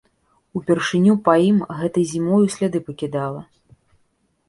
Упершыню па ім гэтай зімою сляды пакідала.